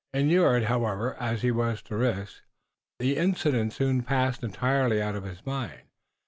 Inured, however, as he was to risks, the incident soon passed entirely out of his mind.